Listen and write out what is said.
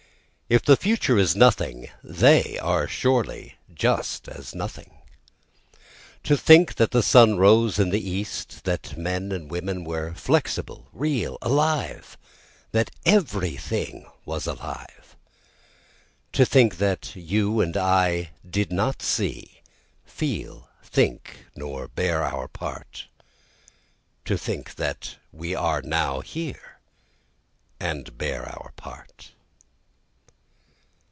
If the future is nothing they are just as surely nothing. To think that the sun rose in the east that men and women were flexible, real, alive that every thing was alive, To think that you and I did not see, feel, think, nor bear our part, To think that we are now here and bear our part.